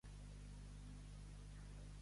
Allà va Quico de nassos!